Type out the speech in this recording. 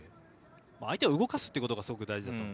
まあ、相手を動かすことがすごく大事だと。